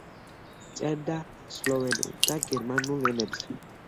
წერდა სლოვენურ და გერმანულ ენებზე.